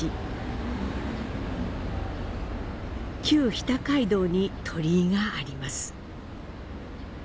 旧日田街道に鳥居があります。